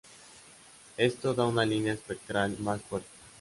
Esto da una línea espectral más fuerte.